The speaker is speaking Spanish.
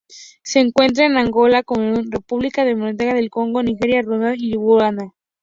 Se encuentra en Angola, Camerún, República Democrática del Congo, Nigeria, Ruanda y Uganda.